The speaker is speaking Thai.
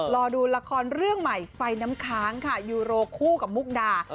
รอดูละครเรื่องใหม่ไฟน้ำค้างค่ะยูโรคู่กับมุกดา